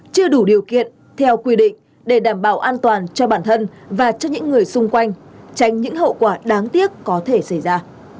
chưa đủ điều kiện theo quy định để đảm bảo an toàn cho bản thân và cho những người xung quanh tránh những hậu quả đáng tiếc có thể xảy ra